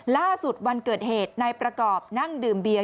ล่าสุดวันเกิดเหตุนายประกอบนั่งดื่มเบียร์